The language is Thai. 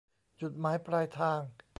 จุดหมายปลายทาง